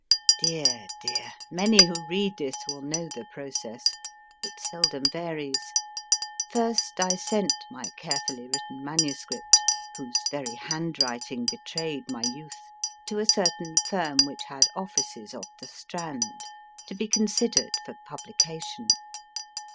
Dear, dear ! many who read this will know the process. It seldom varies. First, I sent my carefully written MS., whose very handwriting betrayed my youth, to a certain firm which had offices off the Strand, to be considered for publication.